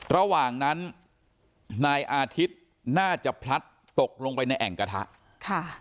ระหว่างนั้นนายอาทิตย์น่าจะพลัดตกลงไปในแอ่งกระทะค่ะ